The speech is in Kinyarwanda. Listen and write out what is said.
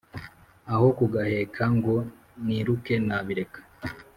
Aho kugaheka ngo niruke na bireka